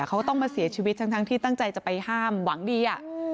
เขาก็ต้องมาเสียชีวิตทั้งที่ตั้งใจจะไปห้ามหวังดี